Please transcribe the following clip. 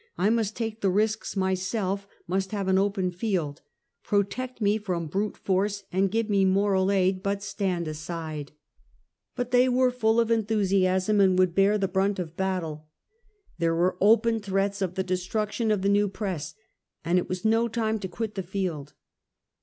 I must take the risks myself, must have an open field. Protect me from brute force and scive me moral aid, but stand aside." 190 Half a Century. But they were full of entliusiasm, and would bear the brunt of battle. There were open threats of the destruction of the new^ press, and it was no time to quit the field.